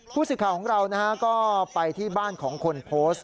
ผู้สื่อข่าวของเราก็ไปที่บ้านของคนโพสต์